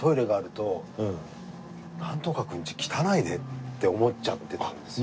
「なんとかくん家汚いね」って思っちゃってたんですよ。